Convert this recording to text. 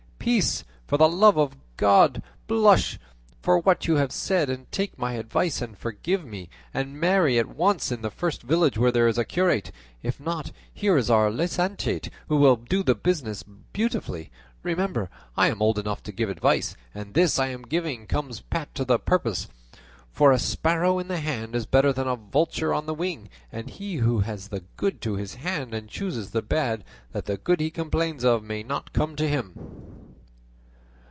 Peace, for the love of God! Blush for what you have said, and take my advice, and forgive me, and marry at once in the first village where there is a curate; if not, here is our licentiate who will do the business beautifully; remember, I am old enough to give advice, and this I am giving comes pat to the purpose; for a sparrow in the hand is better than a vulture on the wing, and he who has the good to his hand and chooses the bad, that the good he complains of may not come to him."